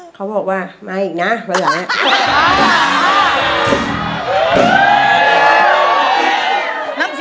เขาบอกว่ามาอีกนะวันหลัง